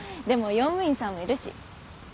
でも用務員さんもいるし。